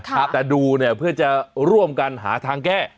แต่ดูเนี่ยเพื่อจะร่วมกันหาทางแก้